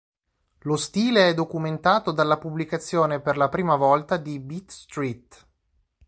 Lo stile è documentato dalla pubblicazione per la prima volta di "Beat Street".